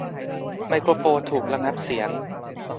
ไมโครโฟนถูกระงับเสียง